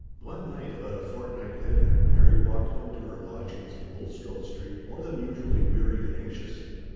One night, about a fortnight later, Mary walked home to her lodgings in Bulstrode Street more than usually weary with stip pling the Laocoon.